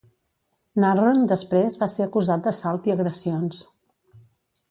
Narron després va ser acusat d'assalt i agressions.